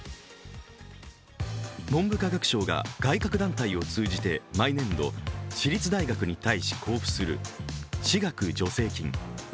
文部科学省が外郭団体を通じて毎年度、私立大学に対して交付する私学助成金。